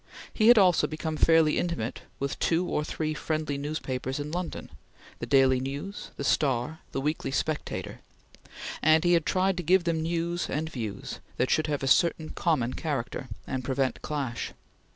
He had also become fairly intimate with the two or three friendly newspapers in London, the Daily News, the Star, the weekly Spectator; and he had tried to give them news and views that should have a certain common character, and prevent clash.